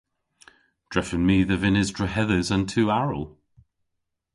Drefen my dhe vynnes drehedhes an tu aral.